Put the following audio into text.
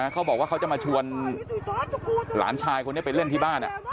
เขาบอกว่าเขาจะมาชวนหลานชายคนนี้ไปเล่นที่บ้าน